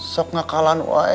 sok gak kalah uae